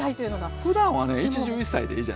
ふだんはね一汁一菜でいいじゃないですか。